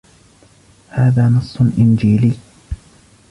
هذا نص إنجيلي.